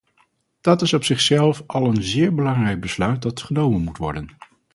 Dat is op zichzelf al een zeer belangrijk besluit dat genomen moet worden.